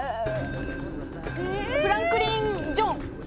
フランクリン・ジョン。